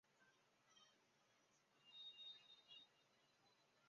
麦金塔对普及图形用户界面起到了很大作用。